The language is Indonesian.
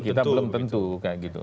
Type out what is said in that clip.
tapi di sini belum tentu kayak gitu